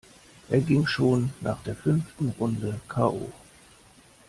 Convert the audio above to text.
Er ging schon nach der fünften Runde k. o..